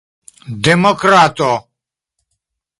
demokrato